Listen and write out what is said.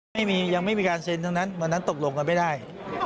ยังไม่มีการเซ็นทั้งนั้นวันนั้นตกลงกันไม่ได้